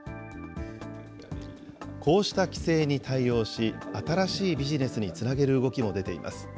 こうした規制に対応し、新しいビジネスにつなげる動きも出ています。